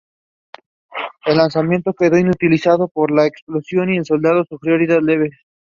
The clade is the ancestral group from which modern octopus arose.